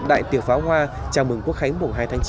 đại tiệc pháo hoa chào mừng quốc khánh mùa hai tháng chín